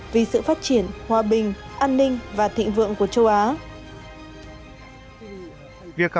vì sự phát triển hòa bình an ninh và thịnh vượng của châu á